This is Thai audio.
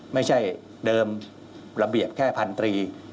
ไม่ใช่เดิมระเบียบแค่พันตรี